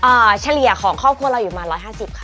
อ่าเฉลี่ยของครอบครัวเราอยู่มา๑๕๐ค่ะ